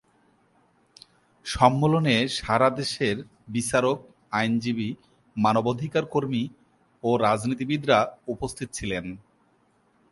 সম্মেলনে সারাদেশের বিচারক, আইনজীবী, মানবাধিকার কর্মী ও রাজনীতিবিদরা উপস্থিত ছিলেন।